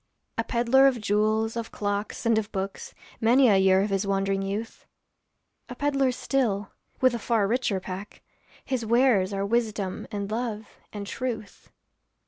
A peddler of jewels, of clocks, and of books, Many a year of his wandering youth; A peddler still, with a far richer pack, His wares are wisdom and love and truth.